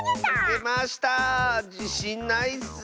じしんないッス。